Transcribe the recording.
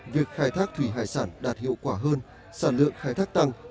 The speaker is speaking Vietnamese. việc khai thác thủy hải sản đạt hiệu quả hơn sản lượng khai thác tăng